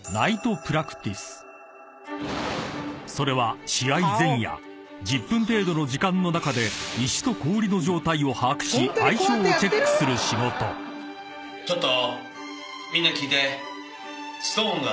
［それは試合前夜１０分程度の時間の中で石と氷の状態を把握し相性をチェックする仕事］分かった。